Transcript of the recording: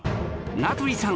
名取さん